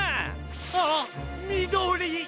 ああっみどり！